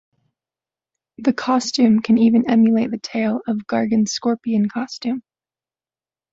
The costume can even emulate the tail of Gargan's scorpion costume.